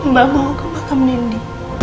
mbak bawa ke makam nindi